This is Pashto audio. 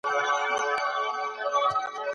چرګه په کوڅه کي